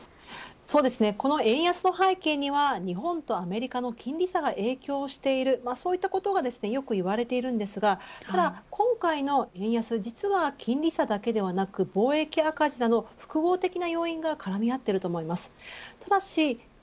この円安の背景には日本とアメリカの金利差が影響しているといったことがよく言われていますがただ今回の円安実は金利差だけではなく貿易赤字など複合的な要因がからみあっていると思います。